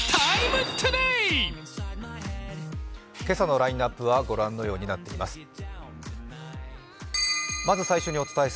今朝のラインナップは御覧のようになっています。